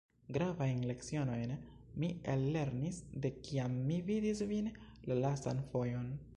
Gravajn lecionojn mi ellernis, de kiam mi vidis vin la lastan fojon.